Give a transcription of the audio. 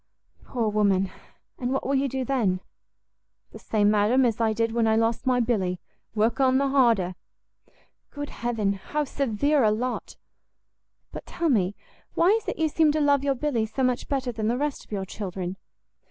"Poor woman! and what will you do then?" "The same, madam, as I did when I lost my Billy, work on the harder!" "Good heaven, how severe a lot! but tell me, why is it you seem to love your Billy so much better than the rest of your children?"